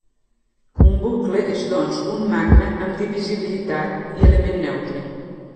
Un bucle és doncs, un magma amb divisibilitat i element neutre.